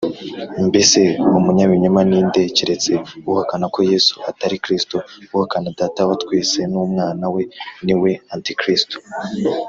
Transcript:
Mbese umunyabinyoma ni nde, keretse uhakana ko Yesu atari Kristo? Uhakana Data wa twese n’Umwana we, ni we Antikristo